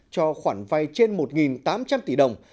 cho khoản vay trên một tám trăm linh tỷ đồng